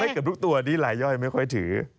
เกือบทุกตัวนี้ลายย่อยไม่ค่อยถือ